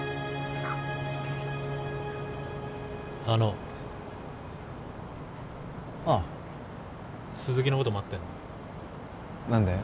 あのああ鈴木のこと待ってんの？